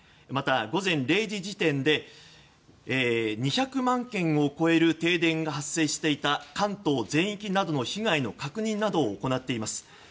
また、午前０時時点で２００万軒を超える停電が発生していた関東全域などの被害の確認を行っています。